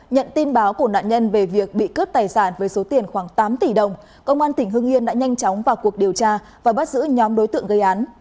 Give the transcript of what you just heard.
nhận tin báo của nạn nhân về việc bị cướp tài sản với số tiền khoảng tám tỷ đồng công an tỉnh hưng yên đã nhanh chóng vào cuộc điều tra và bắt giữ nhóm đối tượng gây án